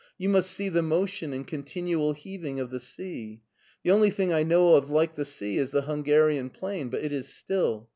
You must see the motion and continual heaving of the sea. The only thing I know of like the sea is the Hungarian plain, but it is still.